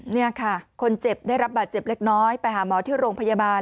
นี่ค่ะคนเจ็บได้รับบาดเจ็บเล็กน้อยไปหาหมอที่โรงพยาบาล